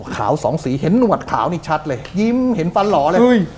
สองสีเห็นหนวดขาวนี่ชัดเลยยิ้มเห็นฟันหล่อเลย